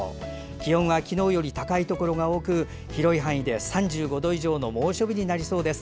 気温は昨日より高いところが多く広い範囲で、３５度以上の猛暑日になりそうです。